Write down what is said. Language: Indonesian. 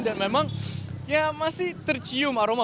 dan memang masih tercium aroma